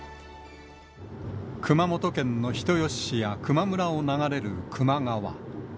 熊本県の人吉市や球磨村を流れる球磨川。